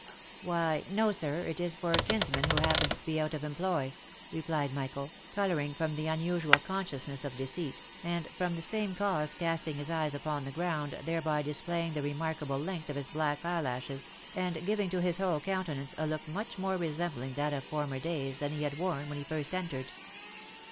" Why, no sir, it is for a kinsman who happens to be out of em ploy," replied Michael, colouring from the unusual consciousness of deceit, and from the same cause casting his eyes upon the ground, thereby displaying the remarkable length of his black eyelashes, and giving to his whole countenance a look much more resembling that of former days, than he had worn when he first entered.